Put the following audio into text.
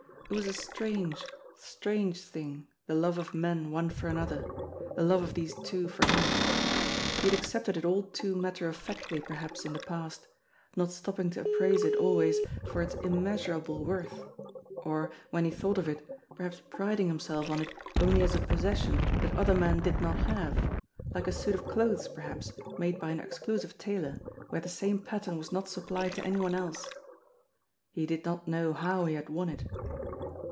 It was a strange, strange tiling, the love of men one for another the love of these two for him. He had accepted it all too matter of factly perhaps in the past, not stopping to appraise it always for its immeasur able worth, or, when he thought of it, perhaps priding him self on it only as a possession that other men did not have, like a suit of clothes perhaps made by an exclusive tailor THE CALL OF THE NIGHT 227 where the same pattern was not supplied to any one else. He did not know how he had won it.